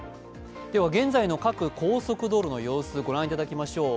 現在の各高速道路の様子、御覧いただきましょう。